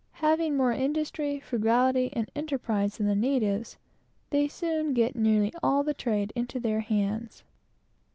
Having more industry, frugality, and enterprise than the natives, they soon get nearly all the trade into their hands.